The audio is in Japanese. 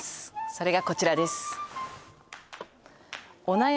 それがこちらです